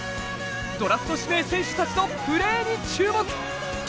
ドラフト指名選手たちのプレーに注目。